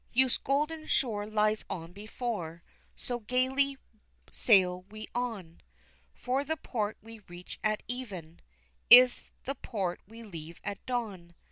Youth's golden shore lies on before, So gaily sail we on, For the port we reach at even Is the port we leave at dawn.